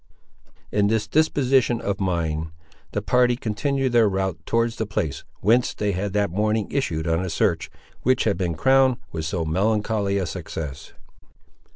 In this disposition of mind, the party continued their route towards the place whence they had that morning issued on a search which had been crowned with so melancholy a success.